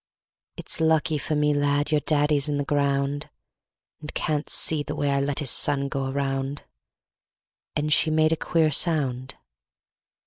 "It's lucky for me, lad, Your daddy's in the ground, And can't see the way I let His son go around!" And she made a queer sound.